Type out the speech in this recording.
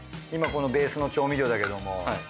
今このベースの調味料だけども。